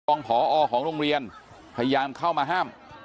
ผอของโรงเรียนพยายามเข้ามาห้าม